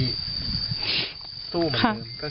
ในตู้หมือ